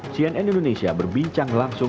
cnn indonesia berbincang langsung